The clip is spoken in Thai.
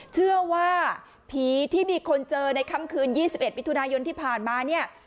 เชื่อว่าผีที่มีคนเจอในค่ำคืน๒๑มิถุนายนที่ผ่านมาเนี่ย